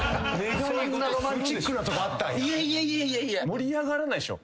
盛り上がらないっしょ。